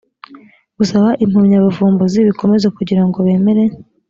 gusaba impamyabuvumbuzi bikomeze kugirango bemere